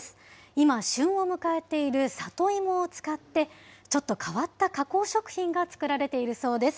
今、旬を迎えている里芋を使って、ちょっと変わった加工食品が作られているそうです。